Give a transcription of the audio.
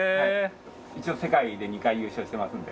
一応世界で２回優勝してますので。